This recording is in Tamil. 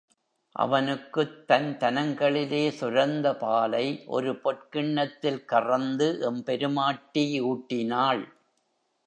அவனுக்குத் தன் தனங்களிலே சுரந்த பாலை ஒரு பொற் கிண்ணத்தில் கறந்து எம் பெருமாட்டி ஊட்டினாள்.